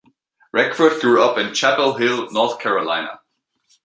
Reckford grew up in Chapel Hill, North Carolina.